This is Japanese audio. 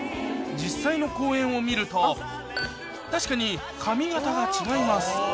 実際の公演を見ると確かに髪形が違います